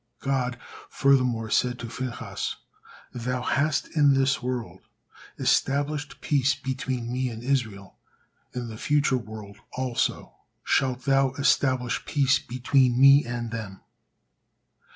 God furthermore said to Phinehas: "Thou hast in this world established peace between Me and Israel; in the future world also shalt thou establish peace between Me and them."